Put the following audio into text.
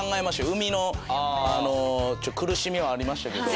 生みの苦しみはありましたけど。